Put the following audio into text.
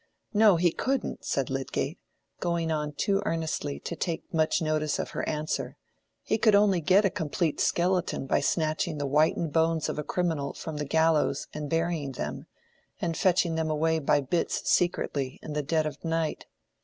"No, he couldn't," said Lydgate, going on too earnestly to take much notice of her answer. "He could only get a complete skeleton by snatching the whitened bones of a criminal from the gallows, and burying them, and fetching them away by bits secretly, in the dead of night."